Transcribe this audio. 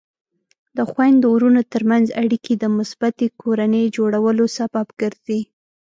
د خویندو ورونو ترمنځ اړیکې د مثبتې کورنۍ جوړولو سبب ګرځي.